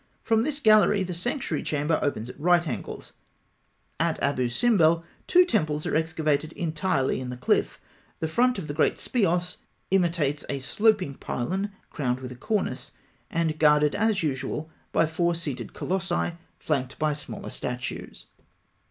From this gallery, the sanctuary chamber opens at right angles. At Abû Simbel, the two temples are excavated entirely in the cliff. The front of the great speos (fig. 90) imitates a sloping pylon crowned with a cornice, and guarded as usual by four seated colossi flanked by smaller statues.